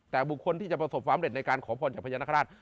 แต่บุคคลที่จะประสบความเร็จในการขอพรจากพญานาคาราช